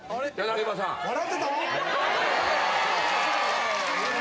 笑ってた？